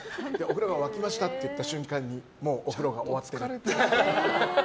お風呂が沸きましたって言った瞬間にお風呂が終わってる。